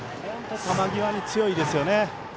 球際に強いですよね。